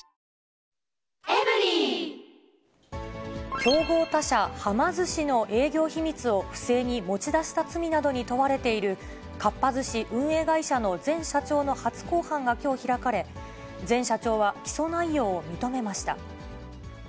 競合他社、はま寿司の営業秘密を不正に持ち出した罪などに問われている、かっぱ寿司運営会社の前社長の初公判がきょう開かれ、前社長は、起訴内容を認めました。